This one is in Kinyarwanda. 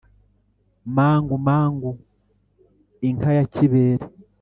Mangu mangu inka ya kibere.